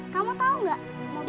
kamu tahu enggak